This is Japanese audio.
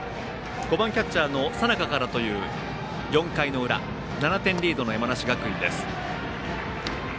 ５番キャッチャーの佐仲からという４回の裏７点リードの山梨学院です。